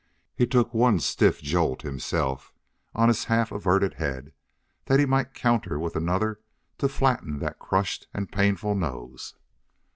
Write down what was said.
He took one stiff jolt himself on his half averted head that he might counter with another to flatten that crushed and painful nose.